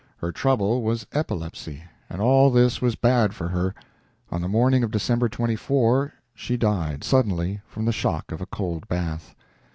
Her trouble was epilepsy, and all this was bad for her. On the morning of December 24, she died, suddenly, from the shock of a cold bath.